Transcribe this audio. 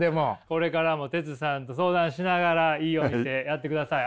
これからもテツさんと相談しながらいいお店やってください。